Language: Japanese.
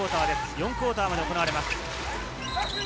４クオーターまで行われます。